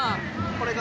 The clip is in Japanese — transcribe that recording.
これが。